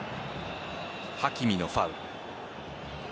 ハキミのファウル。